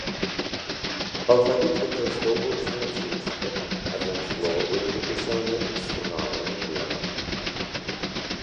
Алфавіт выкарыстоўваўся лацінскі, аднак словы былі напісаны справа налева.